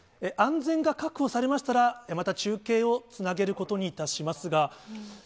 安全が確保されましたら、また中継をつなげることにいたしますが。